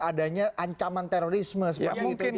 adanya ancaman terorisme seperti itu